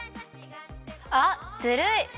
あっずるい！